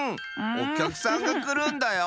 おきゃくさんがくるんだよ！